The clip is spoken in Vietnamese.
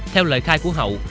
theo lời khai của hậu